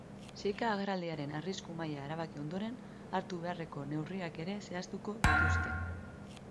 Zika agerraldiaren arrisku maila erabaki ondoren, hartu beharreko neurriak ere zehaztuko dituzte.